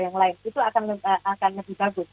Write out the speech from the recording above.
yang lain itu akan lebih bagus